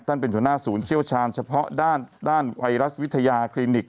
เป็นหัวหน้าศูนย์เชี่ยวชาญเฉพาะด้านด้านไวรัสวิทยาคลินิก